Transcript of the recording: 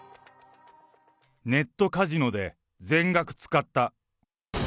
ネットカジノで全額使った。